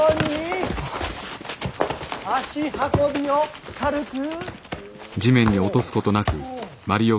足運びを軽く。